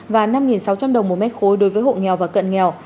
và năm sáu trăm linh đồng một mét khối đối với hộ nghèo và cận nghèo